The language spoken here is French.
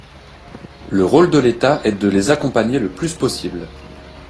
Le rôle de l’État est de les accompagner le plus possible.